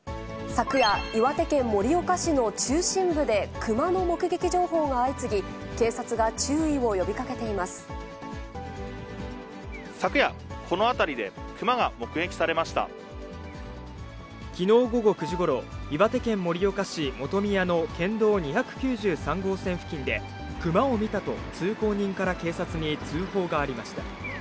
昨夜、岩手県盛岡市の中心部で熊の目撃情報が相次ぎ、警察が注意を呼び昨夜、この辺りで、熊が目撃きのう午後９時ごろ、岩手県盛岡市本宮の県道２９３号線付近で、熊を見たと通行人から警察に通報がありました。